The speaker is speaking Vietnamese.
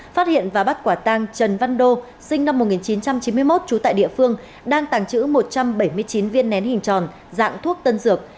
phát hiện và bắt quả tăng trần văn đô sinh năm một nghìn chín trăm chín mươi một trú tại địa phương đang tàng trữ một trăm bảy mươi chín viên nén hình tròn dạng thuốc tân dược